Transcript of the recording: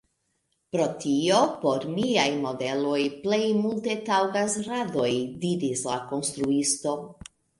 Pro tio por miaj modeloj plej multe taŭgas radoj, diris la konstruisto.